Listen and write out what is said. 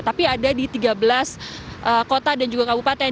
tapi ada di tiga belas kota dan juga kabupaten